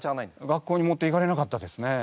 学校に持っていかれなかったですね。